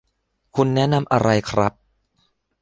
คุณแนะนำอะไรครับ